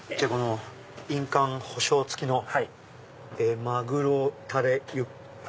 印鑑保証付きのマグロタレユッケ。